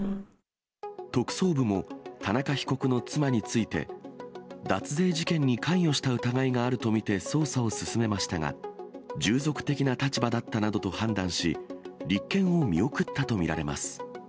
特捜部も田中被告の妻について、脱税事件に関与した疑いがあると見て捜査を進めましたが、従属的な立場だったなどと判断し、立件を見送ったと見られます。